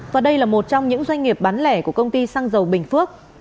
và đây là một trong những doanh nghiệp bán lẻ của công ty xăng dầu bình phước